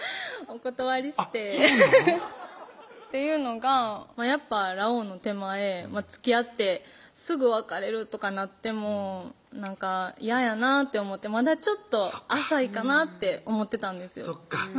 お断りしてそうなん？っていうのがやっぱラオウの手前つきあってすぐ別れるとかなってもなんか嫌やなって思ってまだちょっと浅いかなって思ってたんですよ